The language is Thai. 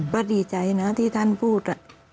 ก็ดีใจนะที่ท่านพูด